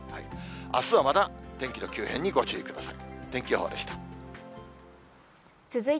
あすはまた天気の急変にご注意ください。